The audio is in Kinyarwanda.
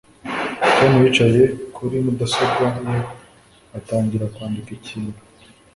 Tom yicaye kuri mudasobwa ye atangira kwandika ikintu